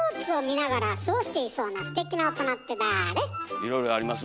いろいろあります